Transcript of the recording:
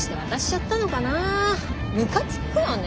ムカつくよね